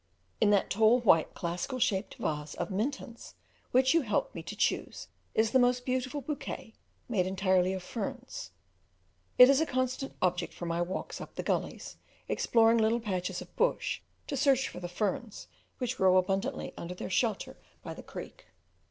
In that tall, white, classical shaped vase of Minton's which you helped me to choose is the most beautiful bouquet, made entirely of ferns; it is a constant object for my walks up the gullies, exploring little patches of bush to search for the ferns, which grow abundantly under their shelter by the creek.